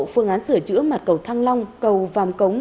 tiến độ phương án sửa chữa mặt cầu thăng long cầu vàng cống